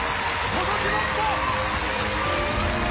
届けました！